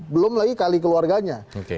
belum lagi kali keluarganya